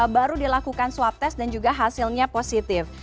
baru dilakukan swab test dan juga hasilnya positif